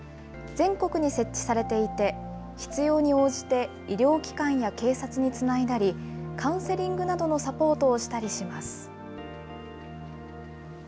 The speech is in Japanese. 全国に設置されていて、必要に応じて医療機関や警察につないだり、カウンセリングなどのサポートをしたりします。